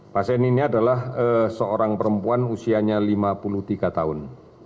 pasien ini adalah seorang perempuan usianya lima puluh tiga tahun